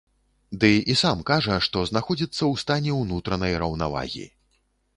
Ды і сам кажа, што знаходзіцца ў стане ўнутранай раўнавагі.